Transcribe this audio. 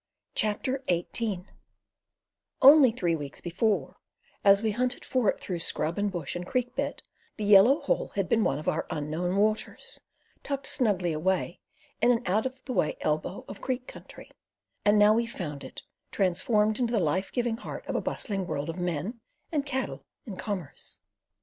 CHAPTER XVIII Only three weeks before, as we hunted for it through scrub and bush and creek bed, the Yellow Hole had been one of our Unknown Waters, tucked snugly away in an out of the way elbow of creek country, and now we found it transformed into the life giving heart of a bustling world of men and cattle and commerce.